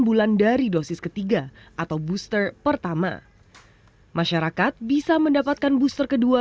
bulan dari dosis ketiga atau booster pertama masyarakat bisa mendapatkan booster kedua